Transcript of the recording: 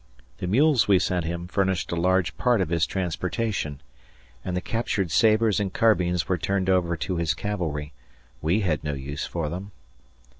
The mules we sent him furnished a large part of his transportation, and the captured sabres and carbines were turned over to his cavalry we had no use for them.